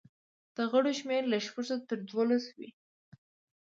د غړو شمېر له شپږو تر دولسو وي.